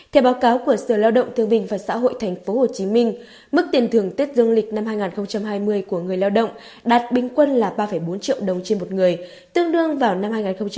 theo báo cáo của sở lao động thương bình và xã hội tp hcm mức tiền thưởng tết dương lịch năm hai nghìn hai mươi của người lao động đạt bình quân là ba bốn triệu đồng trên một người tương đương vào năm hai nghìn hai mươi